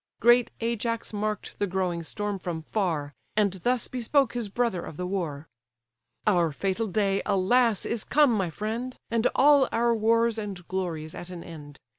Great Ajax mark'd the growing storm from far, And thus bespoke his brother of the war: "Our fatal day, alas! is come, my friend; And all our wars and glories at an end!